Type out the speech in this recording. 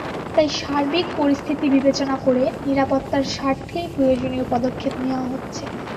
তাই সার্বিক পরিস্থিতি বিবেচনা করে নিরাপত্তার স্বার্থেই প্রয়োজনীয় পদক্ষেপ নেওয়া হচ্ছে।